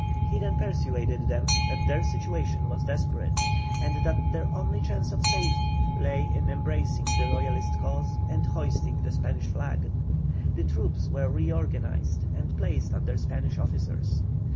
He then persuaded them that their situation was desperate, and that their only chance of safety lay in embracing the Royalist cause and hoisting the Spanish flag. The troops were reorganized and placed under Spanish officers.